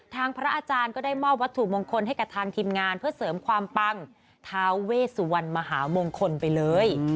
พระอาจารย์ก็ได้มอบวัตถุมงคลให้กับทางทีมงานเพื่อเสริมความปังท้าเวสวรรณมหามงคลไปเลย